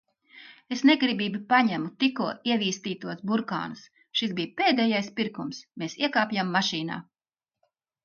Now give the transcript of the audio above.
Es negribīgi paņemu tikko ievīstītos burkānus. Šis bija pēdējais pirkums. Mēs iekāpjam mašīnā.